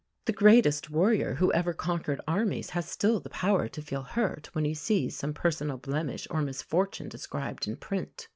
The greatest warrior who ever conquered armies has still the power to feel hurt when he sees some personal blemish or misfortune described in print.